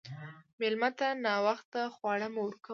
مېلمه ته ناوخته خواړه مه ورکوه.